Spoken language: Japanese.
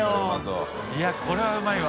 いやこれはうまいわ。